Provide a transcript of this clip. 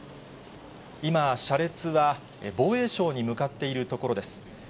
今、車列は防衛省に向かっているところです。